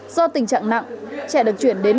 do tình trạng nặng trẻ được chuyển đến